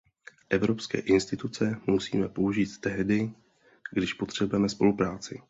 Evropské instituce musíme použít tehdy, když potřebujeme spolupráci.